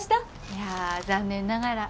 いや残念ながら。